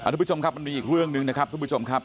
ทุกผู้ชมครับมันมีอีกเรื่องหนึ่งนะครับทุกผู้ชมครับ